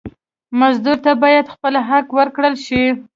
مزدور ته باید خپل حق ورکړل شي.